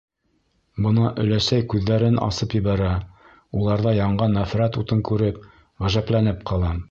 Бына оләсәй күҙҙәрен асып ебәрә, уларҙа янған нәфрәт утын күреп, ғәжәпләнеп ҡалам.